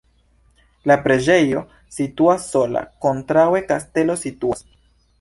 La preĝejo situas sola, kontraŭe kastelo situas.